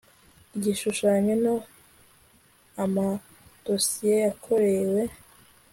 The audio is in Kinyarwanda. Igishushanyo No Amadosiye yakorewe